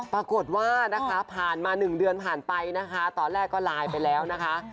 ปรากฏว่านะคะผ่านมา๑เดือนผ่านไปนะคะตอนแรกก็ไลน์ไปแล้วนะคะ